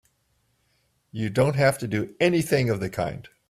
You don't have to do anything of the kind!